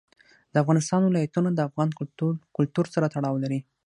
د افغانستان ولايتونه د افغان کلتور سره تړاو لري.